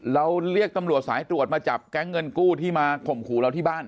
เราเรียกตำรวจสายตรวจมาจับแก๊งเงินกู้ที่มาข่มขู่เราที่บ้าน